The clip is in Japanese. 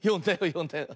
よんだよね？